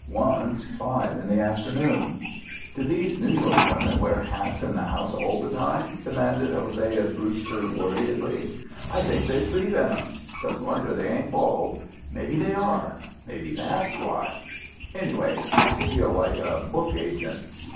Once five in the afternoon. "Do these New York women wear hats in the house all the time?" demanded Hosea Brewster worriedly. "I think they sleep in 'em. It's a wonder they ain't bald. Maybe they are. Maybe that's why. Anyway, it makes you feel like a book agent."